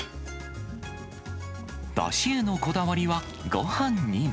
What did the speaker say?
だしへのこだわりはごはんにも。